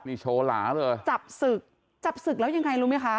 นี่โชว์หลาเลยจับศึกจับศึกแล้วยังไงรู้ไหมคะ